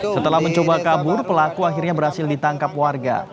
setelah mencoba kabur pelaku akhirnya berhasil ditangkap warga